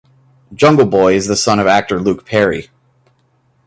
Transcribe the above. Jungle Boy is the son of actor Luke Perry.